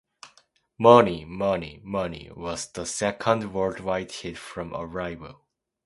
"Money, Money, Money" was the second worldwide hit from "Arrival".